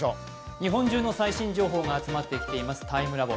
日本中の最新情報が集まってきていますＴＩＭＥＬＡＢＯ。